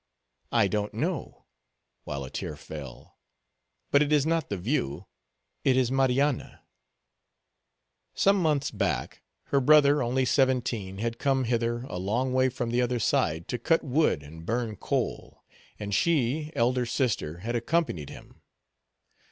"I don't know," while a tear fell; "but it is not the view, it is Marianna." Some months back, her brother, only seventeen, had come hither, a long way from the other side, to cut wood and burn coal, and she, elder sister, had accompanied, him.